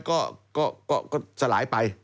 ก็สลายไป